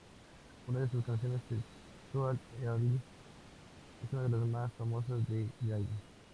Una de sus canciones, "Sexual Healing", es una de las más famosas de Gaye.